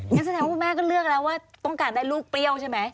งั้นแสดงว่าคุณแม่ก็เลือกแล้วว่าต้องการได้ลูกเปรี้ยวใช่ไหม